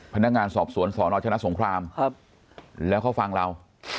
พนักงานสอบสวนสนชนะสงครามแล้วเขาฟังเรา